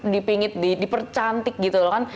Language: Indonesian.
dipingit dipercantik gitu loh kan